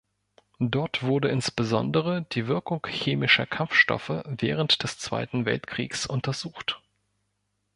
Dort wurde insbesondere die Wirkung chemischer Kampfstoffe während des Zweiten Weltkriegs untersucht.